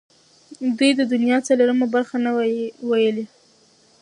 دوی د دنیا څلورمه برخه نه وه نیولې.